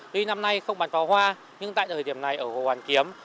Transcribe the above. tuy năm nay không bắn pháo hoa nhưng tại nơi điểm này ở hồ hoàn kiếm